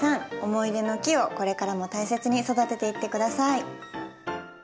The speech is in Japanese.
思い出の木をこれからも大切に育てていって下さい。